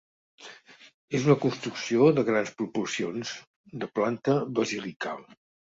És una construcció de grans proporcions, de planta basilical.